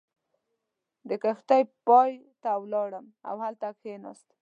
د کښتۍ پای ته ولاړم او هلته کېناستم.